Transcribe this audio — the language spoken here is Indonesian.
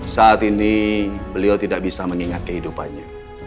saat ini beliau tidak bisa mengingat kehidupannya